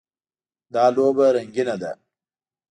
دا لوبه رنګینه ده.